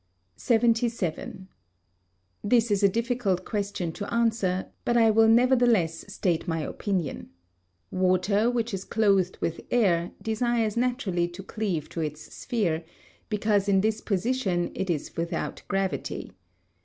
77. This is a difficult question to answer, but I will nevertheless state my opinion. Water, which is clothed with air, desires naturally to cleave to its sphere because in this position it is without gravity.